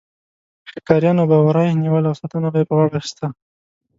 ښکاریانو به وري نیول او ساتنه یې په غاړه اخیسته.